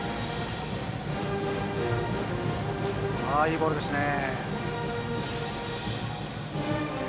いいボールですね。